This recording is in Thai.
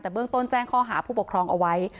แต่เบื้องต้นแจ้งข้อหาผู้ปกครองเอาไว้